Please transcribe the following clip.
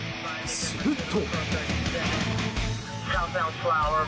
すると。